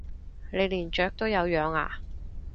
你連雀都有養啊？